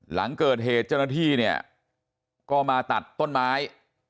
หลังเกิดเหตุเจ้าหน้าที่เนี่ยก็มาตัดต้นไม้